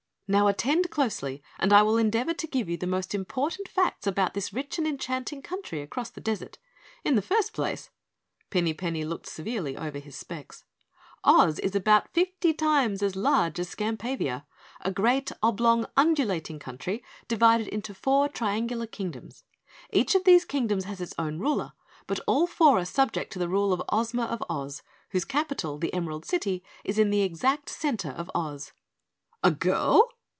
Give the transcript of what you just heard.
Now attend closely and I will endeavor to give you the most important facts about this rich and enchanting country across the desert. In the first place," Pinny Penny looked severely over his specs, "Oz is about fifty times as large as Skampavia, a great oblong, undulating country divided into four triangular Kingdoms. Each of these Kingdoms has its own ruler, but all four are subject to the rule of Ozma of Oz, whose capital, the Emerald City, is in the exact center of Oz." "A girl?"